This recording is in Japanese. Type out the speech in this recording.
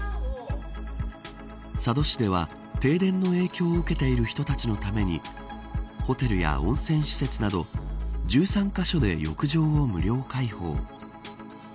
佐渡市では停電の影響を受けている人たちのためにホテルや温泉施設など１３カ所で浴場を無料開放。